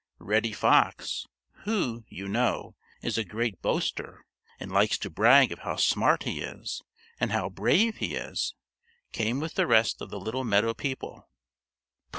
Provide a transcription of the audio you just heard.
Reddy Fox, who, you know, is a great boaster and likes to brag of how smart he is and how brave he is, came with the rest of the little meadow people.